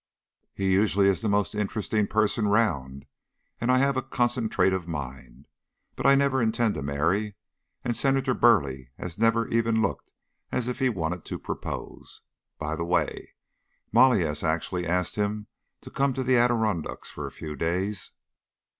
"He is usually the most interesting person 'round;' and I have a concentrative mind. But I never intend to marry, and Senator Burleigh has never even looked as if he wanted to propose. By the way, Molly has actually asked him to come to the Adirondacks for a few days.